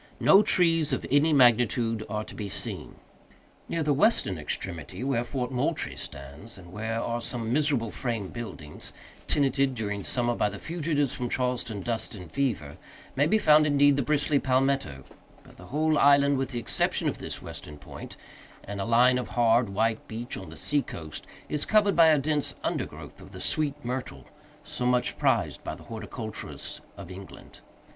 No trees of any magnitude are to be seen. Near the western extremity, where Fort Moultrie stands, and where are some miserable frame buildings, tenanted, during summer, by the fugitives from Charleston dust and fever, may be found, indeed, the bristly palmetto; but the whole island, with the exception of this western point, and a line of hard, white beach on the seacoast, is covered with a dense undergrowth of the sweet myrtle, so much prized by the horticulturists of England.